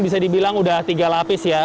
bisa dibilang sudah tiga lapis ya